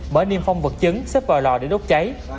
mở niêm phong vật chứng xếp vào lò để đốt cháy